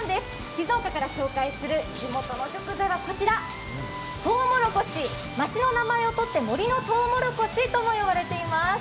静岡から紹介する地元の食材はこちらとうもろこし、町の名前をとって森のとうもろこしとも言われています。